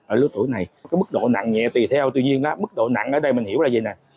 ở lứa tuổi này có mức độ nặng nhẹ tùy theo tuy nhiên mức độ nặng ở đây mình hiểu là gì này